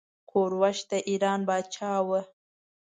کوروش د ايران پاچا وه.